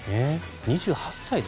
２８歳で。